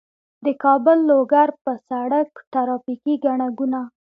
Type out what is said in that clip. د کابل- لوګر په سړک ترافیکي ګڼه ګوڼه